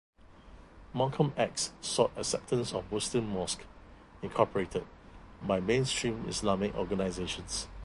Malcolm X sought acceptance of Muslim Mosque, Incorporated by mainstream Islamic organizations.